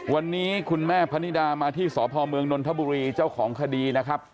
วันนี้คุณแม่พนิดามาที่สพเมืองนนทบุรีเจ้าของคดีนะครับ